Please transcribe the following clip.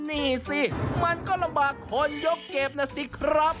นี่สิมันก็ลำบากคนยกเก็บนะสิครับ